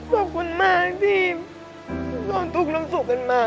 ขอบคุณมากที่ร่วมทุกลมสุขกันมา